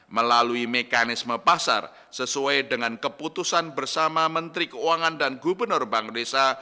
melalui mekanisme pasar sesuai dengan keputusan bersama menteri keuangan dan gubernur bank desa